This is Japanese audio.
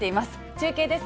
中継です。